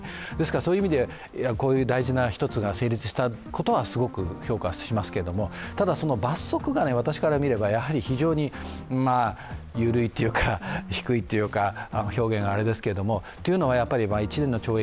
そういう意味で大事な一つが成立したことはすごく評価しますけれどもただその罰則が私から見ればやはり非常に緩いというか低いというか、表現があれですけどというのは、１年の懲役